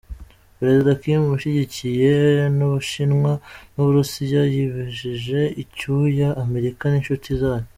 Perezida Kim ushyigikiwe n’Ubushinwa n’Uburusiya yabijije icyuya Amerika n’inshuti zayo